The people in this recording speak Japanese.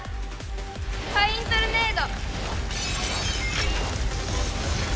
ファイントルネード！？